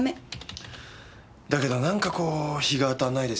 だけどなんかこう日が当たらないですよね。